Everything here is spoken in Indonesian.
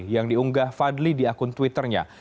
yang diunggah fadli di akun twitternya